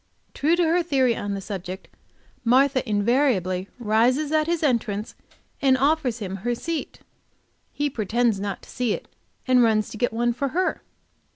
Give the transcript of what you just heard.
True to her theory on the subject, Martha invariably rises at his entrance, and offers him her seat! He pretends not to see it, and runs to get one for her!